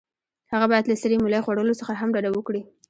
هغه باید له سرې مولۍ خوړلو څخه هم ډډه وکړي.